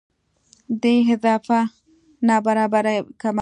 دې اضافه نابرابرۍ کموي.